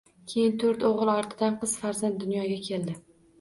Keyin to`rt o`g`il ortidan qiz farzand dunyoga keldi